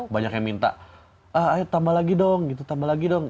banyak yang minta ah ayo tambah lagi dong gitu tambah lagi dong